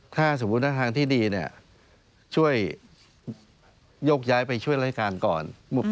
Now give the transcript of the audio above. ถ้าสมมุติว่าทางที่ดีเนี่ยช่วยโยกย้ายไปช่วยรายการก่อน